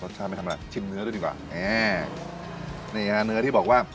ชอบไม่ทำอะไรชิมเนื้อด้วยดีกว่าอ่านี่ฮะเนื้อที่บอกว่า